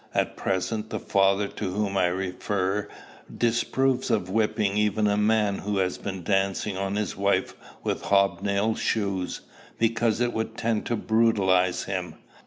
At present, the father to whom I refer disapproves of whipping even a man who has been dancing on his wife with hob nailed shoes, because it would tend to brutalize him.